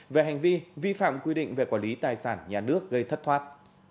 về hành vi vi phạm quy định về quản lý tài sản nhà nước gây thất thoát